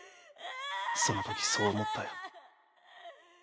そのときそう思ったよ。